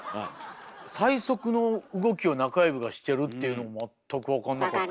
最速の動きを中指がしてるっていうのも全く分かんなかった。